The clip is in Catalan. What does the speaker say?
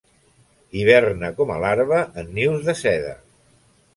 Hiberna com a larva en nius de seda.